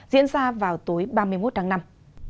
diễn ra vào tối ba mươi một đáng năm